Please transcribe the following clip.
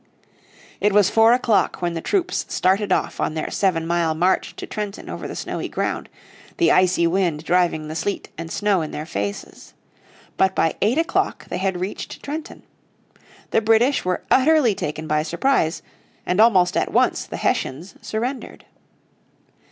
It was four o'clock when the troops started off on their seven mile march to Trenton over the snowy ground, the icy wind driving the sleet and snow in their faces. But by eight o'clock they had reached Trenton. The British were utterly taken by surprise, and almost at once the Hessians surrendered.